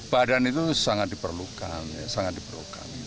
badan itu sangat diperlukan sangat diperlukan